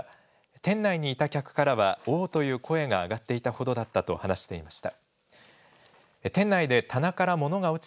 店内にいた客からは、おーという声が上がっていたほどだったと話していました。